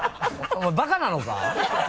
お前バカなのか！